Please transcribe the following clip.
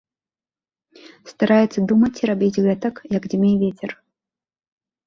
Стараецца думаць і рабіць гэтак, як дзьме вецер.